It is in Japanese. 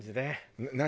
何？